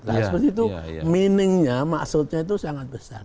nah seperti itu meaningnya maksudnya itu sangat besar